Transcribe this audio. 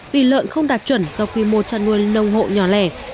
vì lợn không đạt chuẩn do quy mô chăn nuôi nông hộ nhỏ lẻ